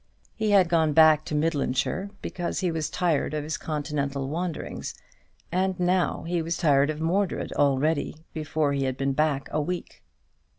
He had gone back to Midlandshire because he was tired of his Continental wanderings; and now he was tired of Mordred already, before he had been back a week.